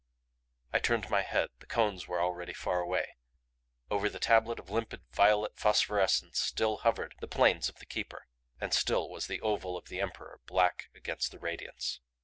I turned my head the cones were already far away. Over the tablet of limpid violet phosphorescence still hovered the planes of the Keeper; and still was the oval of the Emperor black against the radiance.